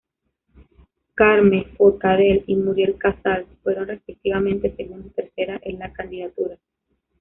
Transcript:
Carme Forcadell y Muriel Casals fueron respectivamente segunda y tercera en la candidatura.